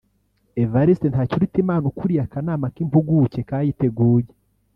Evariste Ntakirutimana ukuriye akanama k’impuguke kayiteguye